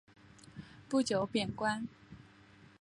不久贬官。